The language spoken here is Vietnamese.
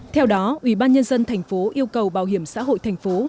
theo đó ubnd tp yêu cầu bảo hiểm xã hội thành phố